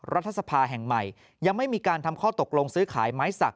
รัฐสภาแห่งใหม่ยังไม่มีการทำข้อตกลงซื้อขายไม้สัก